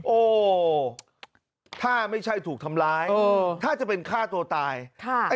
โอ้ถ้าไม่ใช่ถูกทำร้ายเออถ้าจะเป็นฆ่าตัวตายค่ะ